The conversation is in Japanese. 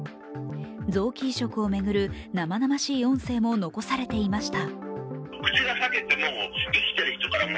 臓器移植を巡る生々しい音声も残されていました。